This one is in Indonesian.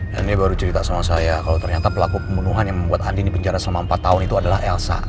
dan dia baru cerita sama saya kalau ternyata pelaku pembunuhan yang membuat andi dipenjara selama empat tahun itu adalah elsa